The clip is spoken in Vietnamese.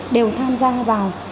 đều tham gia vào